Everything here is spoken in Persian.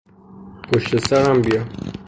پشت سرم بیا.